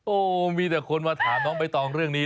โอ้โหมีแต่คนมาถามน้องใบตองเรื่องนี้